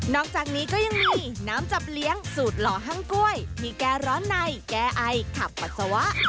อกจากนี้ก็ยังมีน้ำจับเลี้ยงสูตรหล่อห้างกล้วยที่แก้ร้อนในแก้ไอขับปัสสาวะ